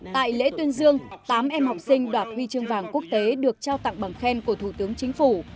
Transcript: tại lễ tuyên dương tám em học sinh đoạt huy chương vàng quốc tế được trao tặng bằng khen của thủ tướng chính phủ